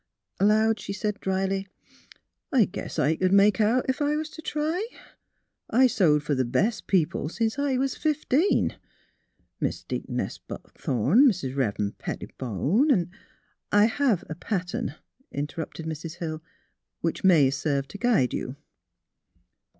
Aloud she said dryly. '' I guess I c'd make out, ef I was t' try. I sewed fer th' best people since I was fifteen : Mis' Deaconess Buckthorn, Mis' Rev'ren' Pettibone an' "" I have a pattern," interrupted Mrs. Hill, " which may serve to guide you."